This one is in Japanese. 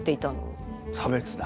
差別だ。